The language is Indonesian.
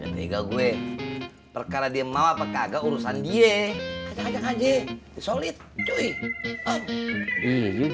aja gue perkara dia mau apa kagak urusan dia aja solid